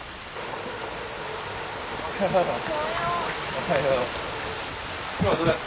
おはよう。